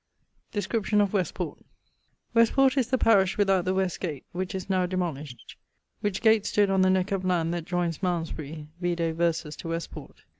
<_Description of Westport._> Westport[FJ] is the parish without the west gate (which is now demolished), which gate stood on the neck of land that joines Malmesbury (vide verses[FK]) to Westport.